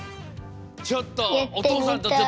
ちょっとおとうさんと。